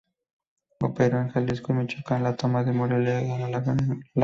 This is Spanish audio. Operó en Jalisco y Michoacán; la toma de Morelia, la ganó, al Gral.